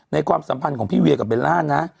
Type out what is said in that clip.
ความสัมพันธ์ของพี่เวียกับเบลล่านะ